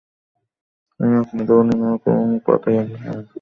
আমি আপনাদের অধিনায়ক এবং পতাকাবাহীও।